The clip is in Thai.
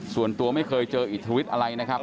ส่วนตัวไม่เคยเจออิทวิทย์อะไรนะครับ